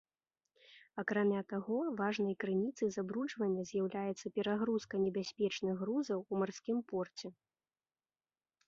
Акрамя таго, важнай крыніцай забруджвання з'яўляецца перагрузка небяспечных грузаў у марскім порце.